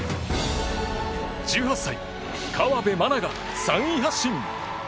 １８歳、河辺愛菜が３位発進！